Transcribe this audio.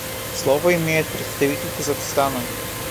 Слово имеет представитель Казахстана.